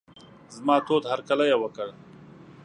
زما تود هرکلی یې وکړ.